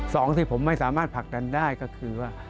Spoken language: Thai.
ที่ผมไม่สามารถผลักดันได้ก็คือว่า